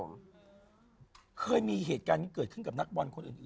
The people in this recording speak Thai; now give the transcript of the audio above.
แล้วไม่มีเหตุการณ์ที่เกิดขึ้นกับนักบอลคนอื่นอื่น